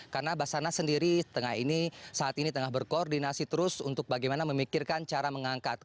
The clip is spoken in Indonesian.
karena basana sendiri saat ini tengah berkoordinasi terus untuk bagaimana memikirkan cara mengangkat